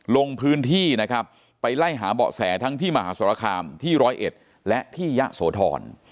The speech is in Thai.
ลงพื้นที่นะครับไปไล่หาเบาะแสทั้งที่มหาสรคามที่ร้อยเอ็ดและที่ยะโสธร